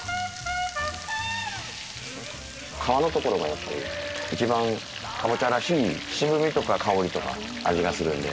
皮のところがやっぱり一番かぼちゃらしい渋みとか香りとか味がするので。